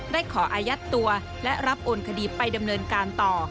ขออายัดตัวและรับโอนคดีไปดำเนินการต่อ